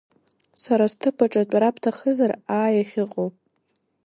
Сара сҭыԥаҿы атәара бҭахызар, аа, иахьыҟоу!